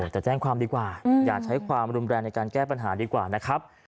แต่แจ้งความดีกว่าอย่าใช้ความรุนแรงในการแก้ปัญหาดีกว่านะครับ